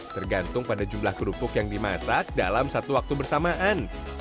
tergantung pada jumlah kerupuk yang dimasak dalam satu waktu bersamaan